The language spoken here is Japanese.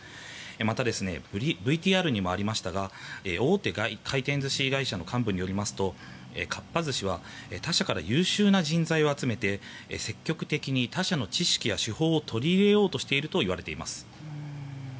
また、ＶＴＲにもありましたが大手回転寿司会社の幹部によりますとかっぱ寿司は他社から優秀な人材を集めて積極的に他社の知識や手法を取り入れようとしているといわれています。